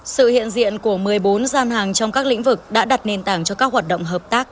sự hiện diện của một mươi bốn gian hàng trong các lĩnh vực đã đặt nền tảng cho các hoạt động hợp tác